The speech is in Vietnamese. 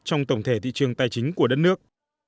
trong tổng thể thị trường tài chính của đất nước